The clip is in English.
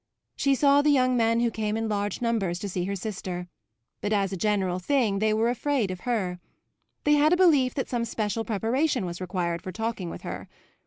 She saw the young men who came in large numbers to see her sister; but as a general thing they were afraid of her; they had a belief that some special preparation was required for talking with her.